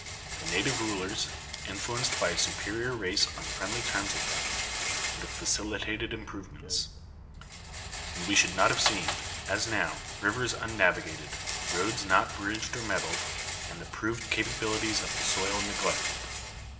The native rulers, influenced by a superior race on friendly terms with them, would have facilitated improvements; and we should not have seen, as now, rivers unnavigated, roads not bridged or metalled, and the proved capabilities of the soil neglected.